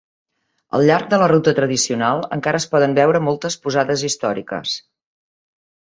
Al llarg de la ruta tradicional, encara es poden veure moltes posades històriques.